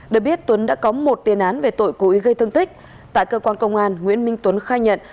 được biết tuấn đã có một tiền án về tội cố ý gây thương tích tại cơ quan công an nguyễn minh tuấn khai nhận